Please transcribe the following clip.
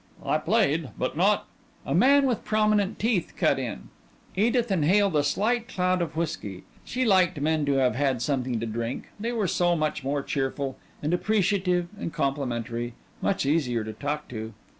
"I played but not " A man with prominent teeth cut in. Edith inhaled a slight cloud of whiskey. She liked men to have had something to drink; they were so much more cheerful, and appreciative and complimentary much easier to talk to.